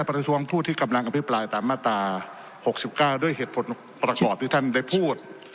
ประท้วงผู้ที่กำลังอภิปรายตามมาตรา๖๙ด้วยเหตุผลประกอบที่ท่านได้พูด